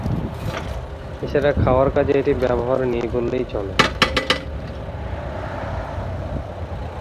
এছাড়া খাওয়ার কাজে এটির ব্যবহার নেই বললেই চলে।